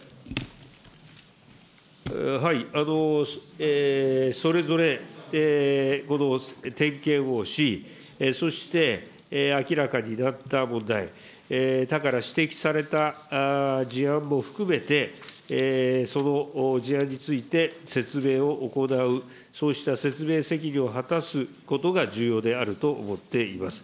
はい、それぞれこの点検をし、そして明らかになった問題、他から指摘された事案も含めて、その事案について説明を行う、そうした説明責任を果たすことが重要であると思っています。